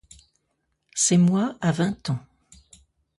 C'est moi à vingt ans.